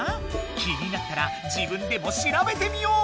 気になったら自分でもしらべてみよう！